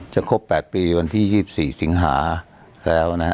ครบ๘ปีวันที่๒๔สิงหาแล้วนะฮะ